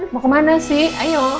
mau kemana sih ayo